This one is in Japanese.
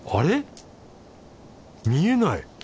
見えない！